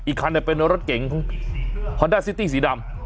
อีกคันถึงเป็นรถรถเก่งคุณฮอลดาซิตี้สีดำ